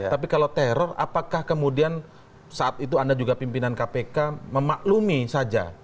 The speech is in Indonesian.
tapi kalau teror apakah kemudian saat itu anda juga pimpinan kpk memaklumi saja